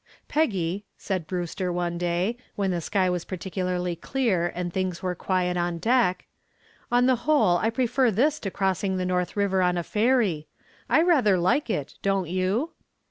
"Peggy," said Brewster one day, when the sky was particularly clear and things were quiet on deck, "on the whole I prefer this to crossing the North River on a ferry. I rather like it, don't you?"